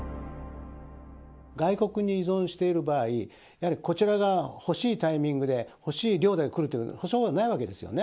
外国に依存している場合、やはりこちらが欲しいタイミングで欲しい量で来るという保証はないわけですよね。